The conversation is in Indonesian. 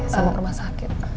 sama rumah sakit